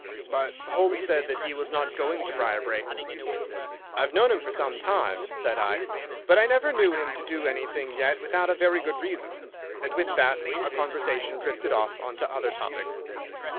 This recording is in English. "But Holmes said that he was not going to Briarbrae." "I have known him for some time," said I, "but I never knew him do anything yet without a very good reason," and with that our conversation drifted off on to other topics.